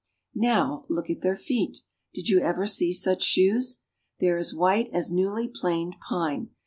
Now look at their feet. Did you ever see such shoes ? They are as white as newly planed pine.